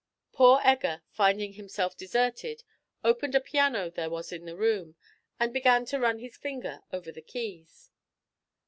Poor Egger, finding himself deserted, opened a piano there was in the room, and began to run his finger over the keys.